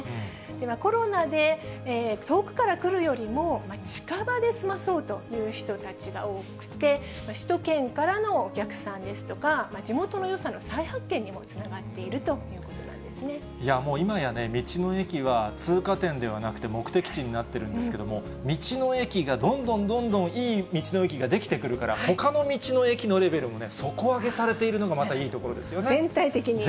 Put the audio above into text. では、コロナで遠くから来るよりも近場で済まそうという人たちが多くて、首都圏からのお客さんですとか、地元のよさの再発見にもつながっいやもう、今やね、道の駅は通過点ではなくて、目的地になっているんですけれども、道の駅がどんどんどんどんいい道の駅が出来てくるから、ほかの道の駅のレベルもね、底上げされているのがまたいいと全体的に。